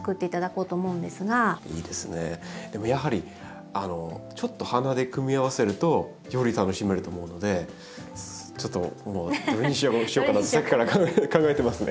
でもやはりちょっと花で組み合わせるとより楽しめると思うのでちょっともうどれにしようかなってさっきから考えてますね。